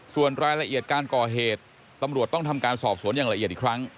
ส่วนรายละเอียดการก่อเหตุตำรวจต้องทำการสอบสวนอย่างละเอียดอีกครั้ง